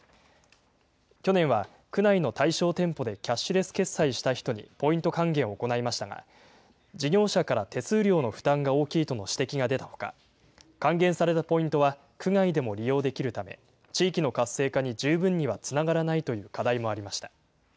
去年は区内の対象店舗でキャッシュレス決済した人にポイント還元を行いましたが、事業者から手数料の負担が大きいとの指摘が出たほか、還元されたポイントは区外でも利用できるため、地域の活性化に十分にはつながらないという課題もありました。